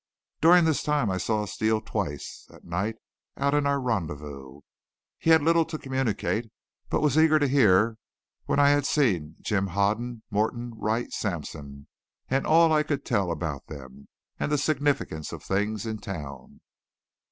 During this time I saw Steele twice, at night out in our rendezvous. He had little to communicate, but was eager to hear when I had seen Jim Hoden, Morton, Wright, Sampson, and all I could tell about them, and the significance of things in town.